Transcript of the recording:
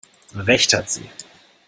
Recht hat sie!